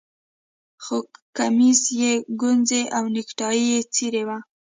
خو کمیس یې ګونځې او نیکټايي یې څیرې وه